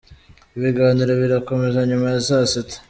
Ibiganiro birakomeza nyuma ya saa sita.